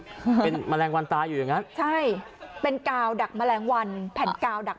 ค่ะเป็นแมลงวันตายอยู่อย่างงั้นใช่เป็นกาวดักแมลงวันแผ่นกาวดัก